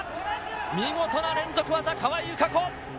見事な連続技、川井友香子。